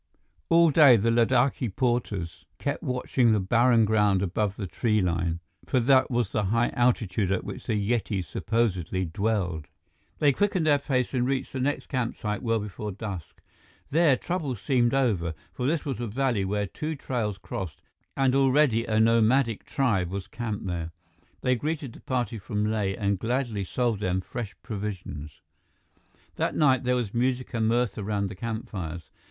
All day the Ladakhi porters kept watching the barren ground above the tree line, for that was the high altitude at which the Yeti supposedly dwelled. They quickened their pace and reached the next campsite well before dusk. There, trouble seemed over, for this was a valley where two trails crossed, and already a nomadic tribe was camped there. They greeted the party from Leh and gladly sold them fresh provisions. That night, there was music and mirth around the campfires.